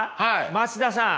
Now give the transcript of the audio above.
松田さん。